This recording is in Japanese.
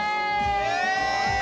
え！